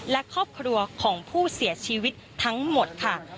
และครอบครัวของผู้เสียชีวิตทั้งหมดค่ะ